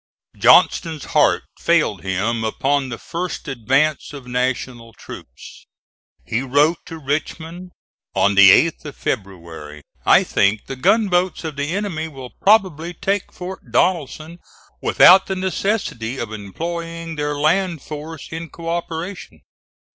Johnston's heart failed him upon the first advance of National troops. He wrote to Richmond on the 8th of February, "I think the gunboats of the enemy will probably take Fort Donelson without the necessity of employing their land force in cooperation."